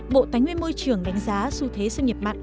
bộ tài nguyên ngoại trưởng đánh giá xu thế xâm nhập mặn